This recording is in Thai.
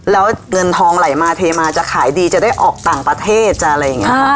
แล้วเงินทองไหลมาเทมาจะขายดีจะได้ออกต่างประเทศจะอะไรอย่างนี้ค่ะ